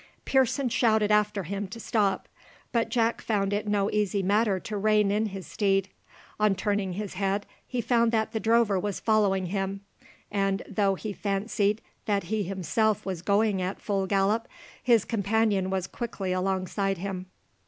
Pearson shouted after him to stop; but Jack found it no easy matter to rein in his steed. On turning his head, he found that the drover was following him; and, though he fancied that he himself was going at full gallop, his companion was quickly alongside him.